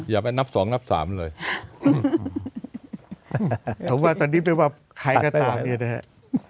ยังไปนับสองนับสามเลยผมว่าตอนนี้เพราะว่าใครก็ตามเนี่ยนะครับ